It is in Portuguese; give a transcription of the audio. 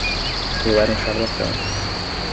Eu era um charlatão...